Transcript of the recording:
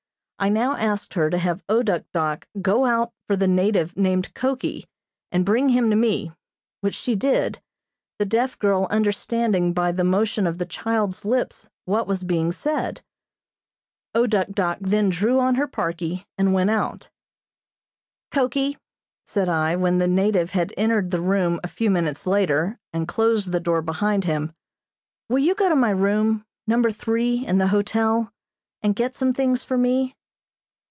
I now asked her to have O Duk Dok go out for the native named Koki, and bring him to me, which she did, the deaf girl understanding by the motion of the child's lips what was being said. O Duk Dok then drew on her parkie, and went out. "Koki," said I, when the native had entered the room a few minutes later, and closed the door behind him, "will you go to my room Number three in the hotel, and get some things for me?"